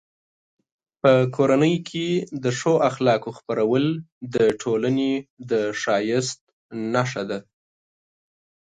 په کورنۍ کې د ښو اخلاقو خپرول د ټولنې د ښایست نښه ده.